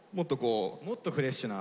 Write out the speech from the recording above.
もっとフレッシュな。